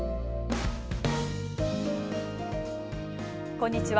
こんにちは。